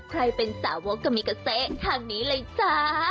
ใครเป็นสาวกกามิกาเซทางนี้เลยจ๊ะ